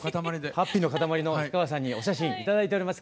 ハッピーの塊の氷川さんにお写真頂いております。